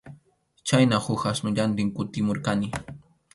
Chhayna huk asnullantin kutimurqani.